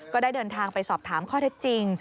ก็ได้เดินทางไปสอบถามข้อเท็จจริง